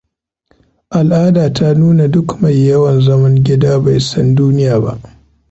Al'ada ta nuna duk mai yawan zaman gida bai san duniya ba.